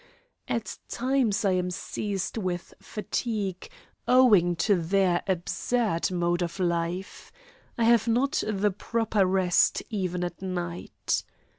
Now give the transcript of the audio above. At times I am seized with fatigue owing to their absurd mode of life. I have not the proper rest even at night.